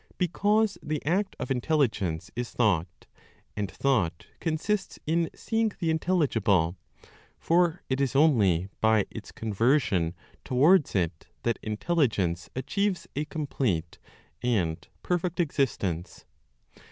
Because the act of intelligence is thought, and thought consists in seeing the intelligible; for it is only by its conversion towards it that intelligence achieves a complete and perfect existence.